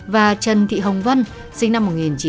và trần thị hồng vân sinh năm một nghìn chín trăm bảy mươi ba